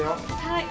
はい。